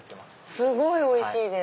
すごいおいしいです。